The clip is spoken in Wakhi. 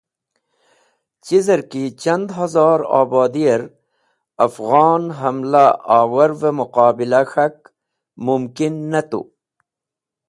Chizerki Chand Hozore Obodiyer Afghon Hamla Awarve Muqobila k̃hak mumkin ne tu.